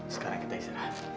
sekarang kita isi